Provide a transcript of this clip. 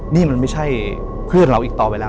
นี่มันไม่ใช่เพื่อนเราอีกต่อไปแล้ว